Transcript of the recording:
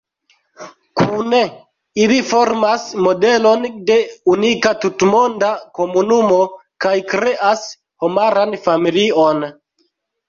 Kune ili formas modelon de unika tutmonda komunumo, kaj kreas homaran familion.